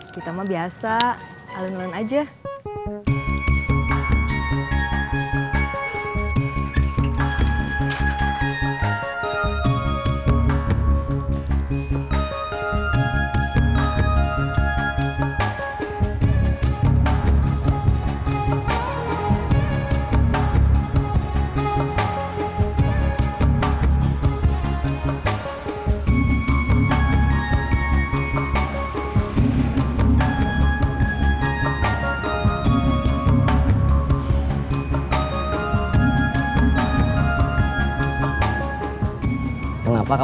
kita mah biasa alen alen aja